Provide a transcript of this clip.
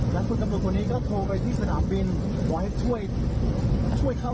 ดูสิครับฝนตก